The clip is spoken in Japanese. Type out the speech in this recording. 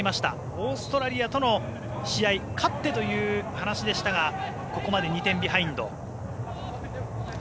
オーストラリアとの試合勝ってという話でしたがここまで２点ビハインド。